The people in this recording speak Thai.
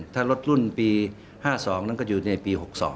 ถ้ารถรุ่นปี๕๒นั้นก็อยู่ในปี๖๒